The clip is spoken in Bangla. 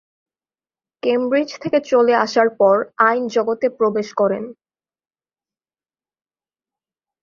কেমব্রিজ থেকে চলে আসার পর আইন জগতে প্রবেশ করেন।